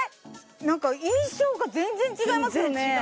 なんか印象が全然違いますよ